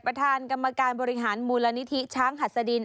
ประธานกรรมการบริหารมูลนิธิช้างหัสดิน